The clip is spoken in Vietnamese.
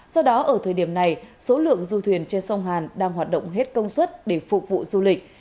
do đó ở thời điểm này số lượng du thuyền trên sông hàn đang hoạt động hết công suất để phục vụ du lịch